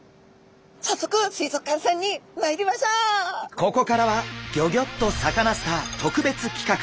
ここからは「ギョギョッとサカナ★スター」特別企画。